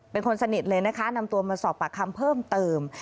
เป็นคนสนิทเลยนะคะนำตัวมาสอบปากคำเพิ่มเติม